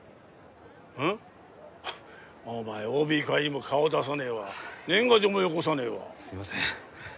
うん？お前ＯＢ会にも顔出さねえわ年賀状もよこさねえわすいません